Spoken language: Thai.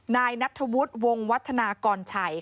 นายนัทธวุฒิวงวัฒนากรชัย